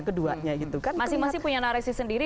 keduanya masih masih punya narasi sendiri